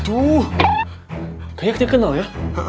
tuh kayaknya kenal ya